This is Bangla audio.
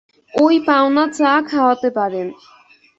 ঐ পাওনা চা খাওয়াতে পারেন।